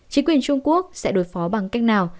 chính quyền trung quốc sẽ đối phó bằng cách nào